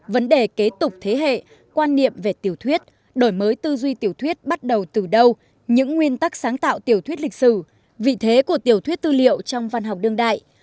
vấn đề kế tục thế hệ quan niệm về tiểu thuyết đổi mới tư duy tiểu thuyết bắt đầu từ đâu những nguyên tắc sáng tạo tiểu thuyết lịch sử vị thế của tiểu thuyết tư liệu trong văn học đương đại